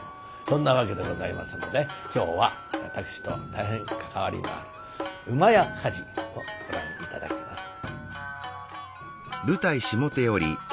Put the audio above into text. そんなわけでございますので今日は私と大変関わりのある「厩火事」をご覧頂きます。